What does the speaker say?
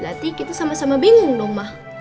berarti kita sama sama bingung loh mah